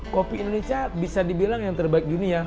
kopi indonesia bisa dibilang yang terbaik dunia